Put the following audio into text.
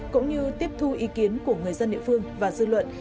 cũng như tiếp thu ý kiến của người dân địa phương và dư luận